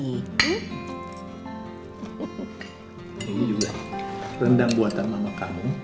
ini juga rendang buatan mama kamu